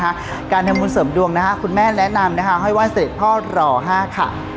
การทำความคุ้นเสริมดวงนะฮะคุณแม่แนะนำนะคะให้ว่าเสร็จพ่อหรอฮะค่ะ